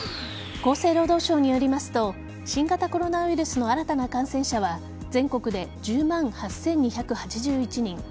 厚生労働省によりますと新型コロナウイルスの新たな感染者は全国で１０万８２８１人